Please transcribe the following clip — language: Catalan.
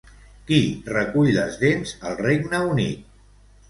Qui recull les dents al Regne Unit?